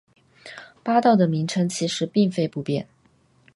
八道的名称其实并非不变。